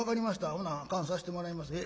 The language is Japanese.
ほな燗さしてもらいます。